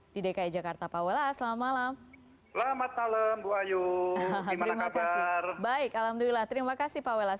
baik alhamdulillah terima kasih pawellas